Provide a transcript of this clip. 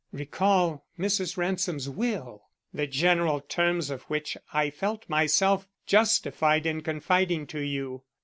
Recall Mrs. Ransom's will; the general terms of which I felt myself justified in confiding to you.